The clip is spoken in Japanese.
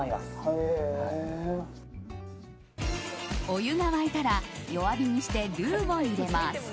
お湯が沸いたら弱火にしてルーを入れます。